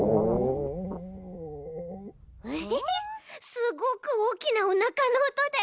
すごくおおきなおなかのおとだち。